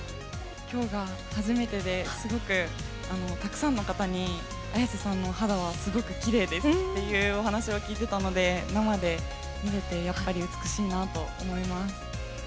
きょうが初めてで、すごく、たくさんの方に、綾瀬さんの肌はすごくきれいですっていうお話を聞いてたので、生で見れて、やっぱり美しいなと思います。